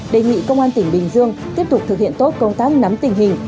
đề nghị công an tỉnh bình dương tiếp tục thực hiện tốt công tác nắm tình hình